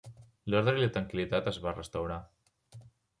L'orde i tranquil·litat es va restaurar.